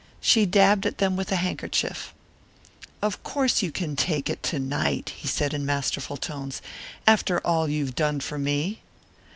She dabbed at them with a handkerchief. "Of course you can take it to night," he said in masterful tones, "after all you've done for me."